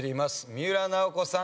三浦奈保子さん